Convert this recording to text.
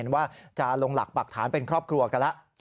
ว่าจะลงหลักปรักฐานเป็นครอบครัวกันแล้ว